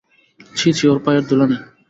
ছি ছি, ওঁর পায়ের ধুলা নে।